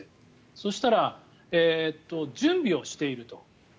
そしたら、準備をしていると。